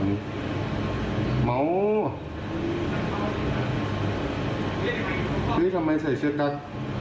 นี่ทำไมเศษเชือกกัน